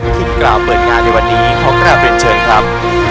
ที่กล่าวเปิดงานในวันนี้ขอกลับเรียนเชิญครับ